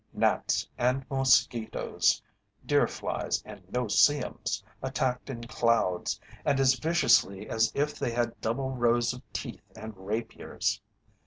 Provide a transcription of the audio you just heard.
Gnats and mosquitoes, deer flies and "no see ems" attacked in clouds and as viciously as if they had double rows of teeth and rapiers.